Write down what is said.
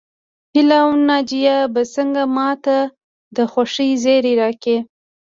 هيله او ناجيه به څنګه ماته د خوښۍ زيری راکړي